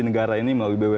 negara ini melalui bumn